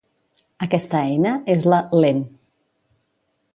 Aquesta eina és la "Lent".